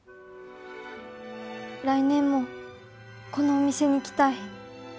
来年もこのお店に来たい。